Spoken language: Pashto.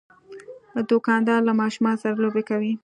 دوکاندار له ماشومان سره لوبې کوي.